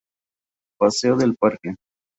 Paseo del Parque.